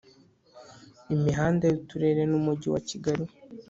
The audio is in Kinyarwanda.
Imihanda y uturere n umujyi wa kigali